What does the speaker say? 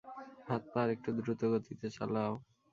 হাত পা আরেকটু দ্রুত গতিতে চালাও!